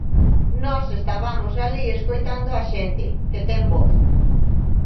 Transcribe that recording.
Nós estabamos alí escoitando á xente, que ten voz.